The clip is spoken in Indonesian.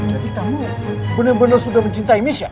jadi kamu ya bener bener sudah mencintai michelle